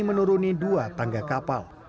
menuruni dua tangga kapal